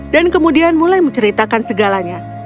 dan kemudian mulai menceritakan segalanya